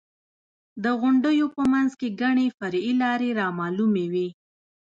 د غونډیو په منځ کې ګڼې فرعي لارې رامعلومې وې.